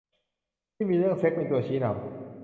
ที่มีเรื่องเซ็กส์เป็นตัวชี้นำ